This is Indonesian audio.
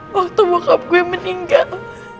waktu bokap gue meninggal